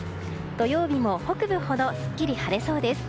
土曜日も北部ほどすっきり晴れそうです。